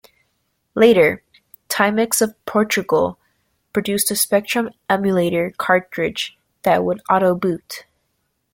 Later, Timex of Portugal produced a Spectrum emulator cartridge that would auto-boot.